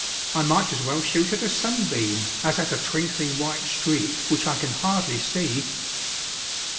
I might as well shoot at a sunbeam, as at a twinkling white streak which I can hardly see."